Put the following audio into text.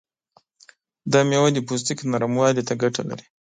دا میوه د پوستکي نرموالي ته ګټه لري.